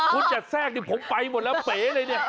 คุณอย่าแทรกดิผมไปหมดแล้วเป๋เลยเนี่ย